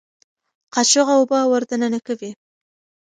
قاچوغه اوبه ور دننه کوي.